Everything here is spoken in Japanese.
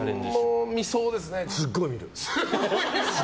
すっごい見る。